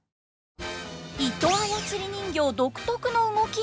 糸あやつり人形独特の動き？